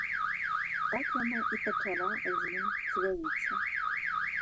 Так яна і пачала з ім цвяліцца.